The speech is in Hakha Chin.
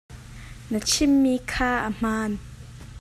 Na chimmi kha a hmaan.